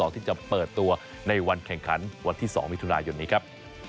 ที่จะเปิดตัวในวันแข่งขันวันที่๒มิถุนายนนี้ครับ